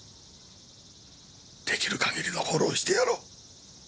できる限りのフォローをしてやろう。